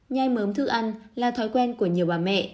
nhai mớm thức ăn là thói quen của nhiều bà mẹ